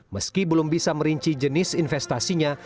meski belum bisa merinci jenis investasinya